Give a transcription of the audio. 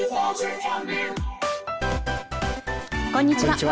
こんにちは。